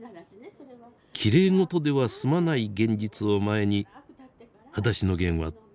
きれいごとでは済まない現実を前に「はだしのゲン」はどう伝えるべきか。